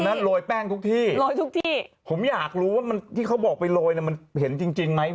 ผมนั้นโรยแป้งทุกที่ผมอยากรู้ว่าที่เขาบอกไปโรยมันเห็นจริงไหม